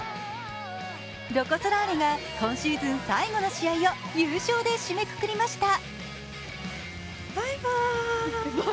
ロコ・ソラーレが今シーズン最後の試合を優勝で締めくくりました。